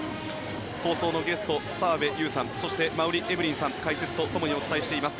放送のゲスト、澤部佑さんそして馬瓜エブリンさんとともにお伝えしています。